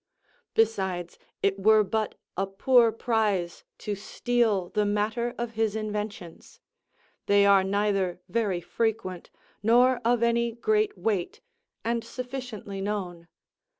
Besides, it were but a poor prize to steal the matter of his inventions; they are neither very frequent, nor of any great weight, and sufficiently known.